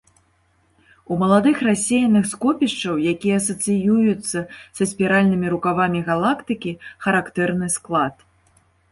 У маладых рассеяных скопішчаў, якія асацыююцца са спіральнымі рукавамі галактыкі, характэрны склад.